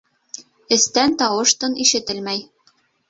Эстән тауыш-тын ишетелмәй.